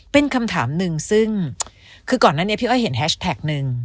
เป็นคำถามหนึ่งซึ่งคือก่อนนั้นเนี่ยพี่อ้อยเห็นแฮชแท็กหนึ่ง